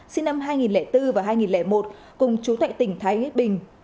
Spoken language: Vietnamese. sinh năm hai nghìn bốn và hai nghìn một cùng chú tại tỉnh thái bình